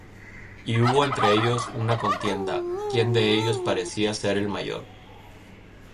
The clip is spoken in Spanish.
Y hubo entre ellos una contienda, quién de ellos parecía ser el mayor.